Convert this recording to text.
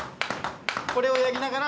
これをやりながら。